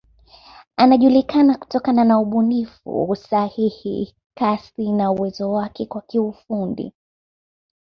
Anajulikana kutokana na ubunifu, usahihi, kasi na uwezo wake wa kiufundi.